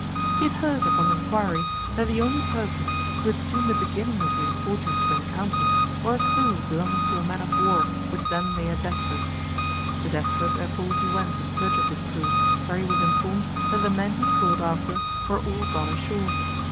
He had heard, upon enquiry, that the only persons who had seen the beginning of the unfortunate rencounter were a crew belonging to a man of war which then lay at Deptford. To Deptford therefore he went in search of this crew, where he was informed that the men he sought after were all gone ashore.